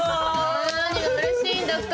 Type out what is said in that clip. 何がうれしいんだか。